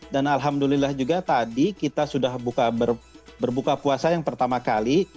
dan alhamdulillah juga tadi kita sudah berbuka puasa yang pertama kali